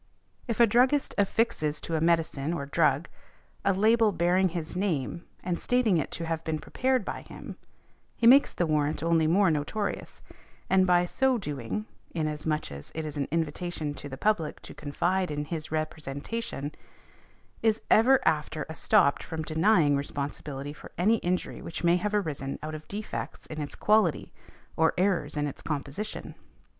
If a druggist affixes to a medicine, or drug, a label bearing his name and stating it to have been prepared by him, he makes the warrant only more notorious, and by so doing (inasmuch as it is an invitation to the public to confide in his representation), is ever after estopped from denying responsibility for any injury which may have arisen out of defects in its quality, or errors in its composition.